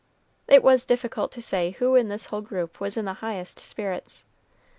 It was difficult to say who in this whole group was in the highest spirits.